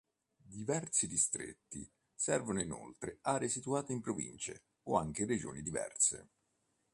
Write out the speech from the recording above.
Diversi distretti servono inoltre aree situate in province o anche regioni diverse.